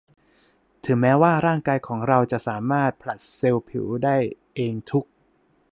ถึงแม้ว่าร่างกายของเราจะสามารถผลัดเซลล์ผิวได้เองทุก